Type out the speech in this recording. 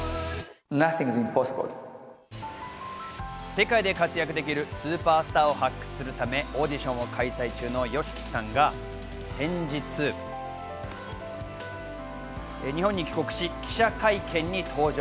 世界で活躍できるスーパースターを発掘するためオーディションを開催中のＹＯＳＨＩＫＩさんが先日、日本に帰国し、記者会見に登場。